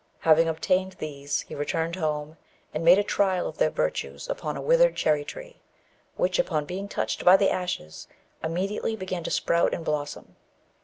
Having obtained these, he returned home, and made a trial of their virtues upon a withered cherry tree, which, upon being touched by the ashes, immediately began to sprout and blossom.